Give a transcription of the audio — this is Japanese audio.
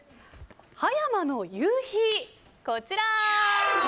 葉山の夕日、こちら！